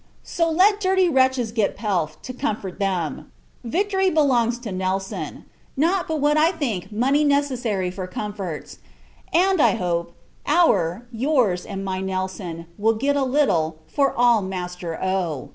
So, let dirty wretches get pelf, to comfort them; victory belongs to Nelson. Not, but what I think money necessary for comforts; and, I hope, our, your's, and my Nelson, will get a little, for all Master O.